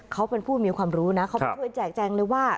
เขาเป็นผู้มีความรู้นะเขาก็เคยแจ้งที่ว่า